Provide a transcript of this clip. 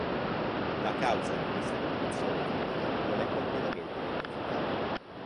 La causa di questa condizione clinica non è completamente identificata.